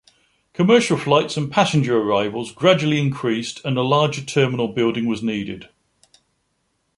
Commercial flights and passenger arrivals gradually increased and a larger terminal building was needed.